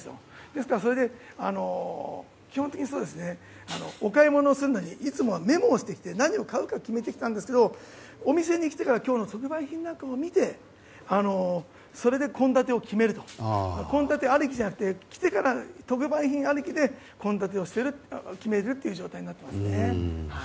ですから、基本的にお買い物をするのにいつもはメモをしてきて何を買うか決めてきていたんですけどお店に来てから今日の特売品を見てそれで献立を決めると献立ありきじゃなくて来てから特売品ありきで献立を決めているという状況ですね。